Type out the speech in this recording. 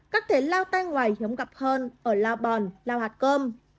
các thể lao tai ngoài hiếm gặp hơn ở lao bòn lao hạt cơm